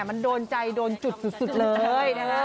มันโดนใจโดนจุดเลย